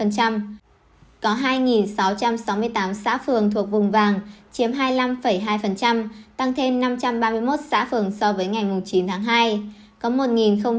có hai sáu trăm sáu mươi tám xã phường thuộc vùng vàng chiếm hai mươi năm hai tăng thêm năm trăm ba mươi một xã phường so với ngày chín tháng hai